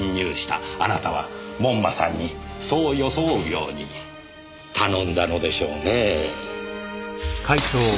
あなたは門馬さんにそう装うように頼んだのでしょうねぇ。